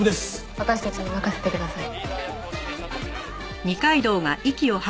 私たちに任せてください。